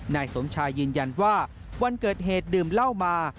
นายสมชายยืนยันว่าวันเกิดเหตุดื่มเหล้ามา